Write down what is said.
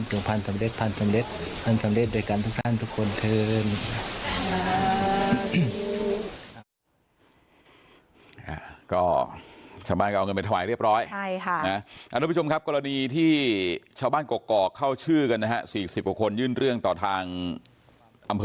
ถึงพันธุ์สำเร็จพันธุ์สำเร็จ